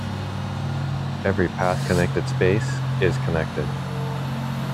Every path-connected space is connected.